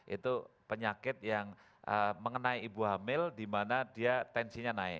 itu penyakit yang mengenai ibu hamil di mana dia tensinya naik